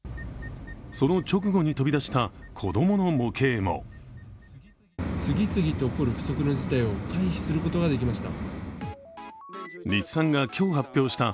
その直後に飛び出した子供の模型も次々と起こる不測の事態を回避することができました。